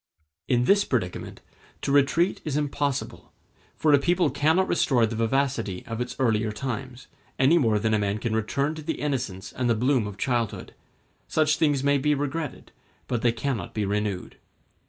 In this predicament, to retreat is impossible; for a people cannot restore the vivacity of its earlier times, any more than a man can return to the innocence and the bloom of childhood; such things may be regretted, but they cannot be renewed.